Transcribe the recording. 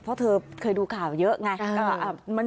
เพราะเธอเคยดูข่าวเยอะไง